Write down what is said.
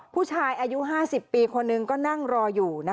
ผู้ชายอายุ๕๐ปีคนหนึ่งก็นั่งรออยู่